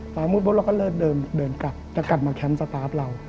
ฟ้ามืดแล้วเราก็เลิกเดินกลับแล้วกลับมาแคมป์สตาร์ฟเรา